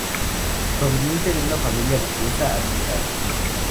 Proveniente de una familia burguesa adinerada.